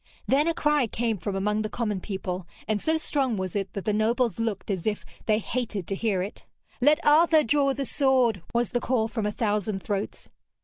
Then a cry came from among the common people, and so strong was it that the nobles looked as if they hated to hear it. 'Let Arthur draw the sword!' was the call from a thousand throats.